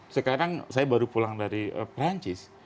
sekarang saya baru pulang dari perancis